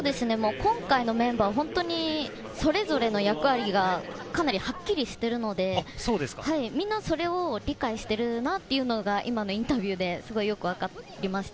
今回のメンバーは本当にそれぞれの役割がかなりはっきりしているので、みんなそれを理解してるなっていうのは、今のインタビューでよくわかりました。